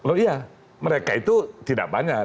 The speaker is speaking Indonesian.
oh iya mereka itu tidak banyak